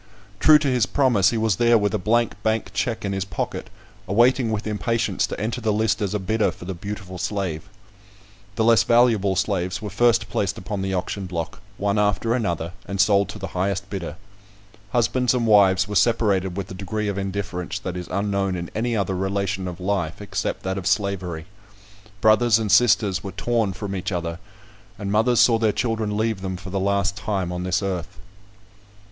True to his promise, he was there with a blank bank check in his pocket, awaiting with impatience to enter the list as a bidder for the beautiful slave. The less valuable slaves were first placed upon the auction block, one after another, and sold to the highest bidder. Husbands and wives were separated with a degree of indifference that is unknown in any other relation of life, except that of slavery. Brothers and sisters were torn from each other; and mothers saw their children leave them for the last time on this earth.